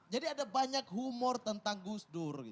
jadi ada banyak humor tentang gus dur